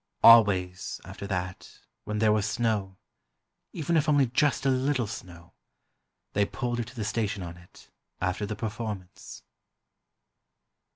Always, after that, when there was snow—even if only just a little snow—they pulled her to the station on it, after the performance.